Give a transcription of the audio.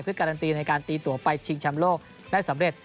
เพื่อการันตีในการตีตัวไปชิงแชมป์โลกได้สำเร็จ